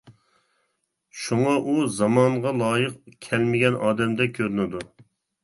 شۇڭا ئۇ زامانغا لايىق كەلمىگەن ئادەمدەك كۆرۈنىدۇ.